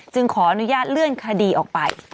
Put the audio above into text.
ขออนุญาตเลื่อนคดีออกไป